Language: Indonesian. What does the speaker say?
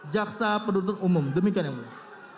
jaksa penuntut umum demikian yang boleh